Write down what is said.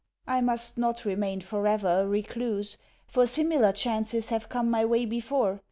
I must not remain forever a recluse, for similar chances have come my way before.